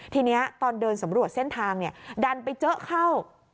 ทีนี้ตอนเดินสำรวจเส้นทางดันไปเจอเข้า